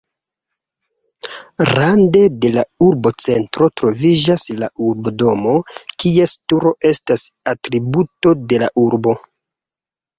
Rande de la urbocentro troviĝas la urbodomo, kies turo estas atributo de la urbo.